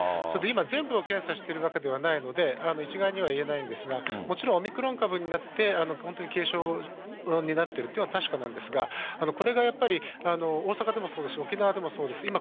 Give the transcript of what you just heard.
それで今、全部を検査しているわけではないので、一概には言えないんですが、もちろんオミクロン株になって、本当に軽症になっているというのは確かなんですが、これがやっぱり大阪でもそうですし、沖縄でもそうです。